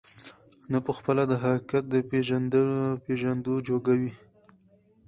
نه په خپله د حقيقت د پېژندو جوگه وي،